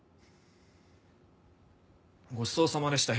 ごちそうさまでした。